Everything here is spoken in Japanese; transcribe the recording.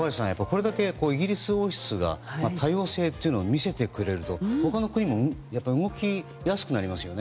これだけイギリス王室が多様性というのを見せてくれると他の国も動きやすくなりますね。